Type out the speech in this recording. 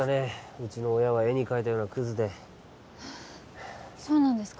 うちの親は絵に描いたようなクズでそうなんですか？